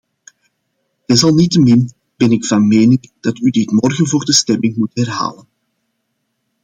Desalniettemin ben ik van mening dat u dit morgen voor de stemming moet herhalen.